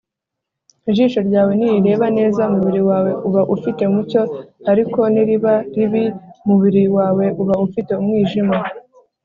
“ijisho ryawe nirireba neza, umubiri wawe wose uba ufite umucyo, ariko niriba ribi, umubiri wawe wose uba ufite umwijima